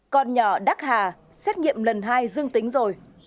con nhỏ đắc hà xét nghiệm lần hai dương tính rồi